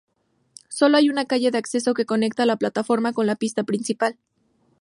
Sólo hay una calle de acceso que conecta la plataforma con la pista principal.